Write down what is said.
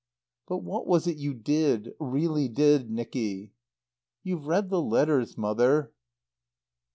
"But what was it you did really did, Nicky?" "You've read the letters, Mother."